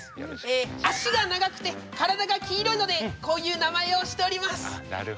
脚が長くて体が黄色いのでこういう名前をしております。